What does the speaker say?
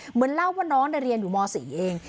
เหมือนเล่าว่าน้องเรียนอยู่ม๔เอง